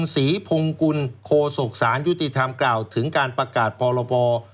สีพงกุลโฆษกษานยุติธรรมกล่าวถึงการประกาศพอละพอ